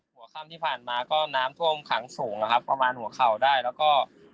หัวค่ำที่ผ่านมาก็น้ำท่วมขังสูงนะครับประมาณหัวเข่าได้แล้วก็